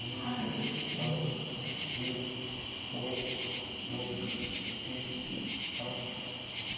３４５６７８９。